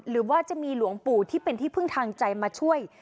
หรือว่าจะมีหลวงปู่ที่เป็นที่พึ่งทางใจมาช่วย